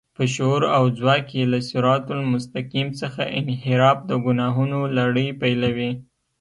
په شعور او ځواک کې له صراط المستقيم څخه انحراف د ګناهونو لړۍ پيلوي.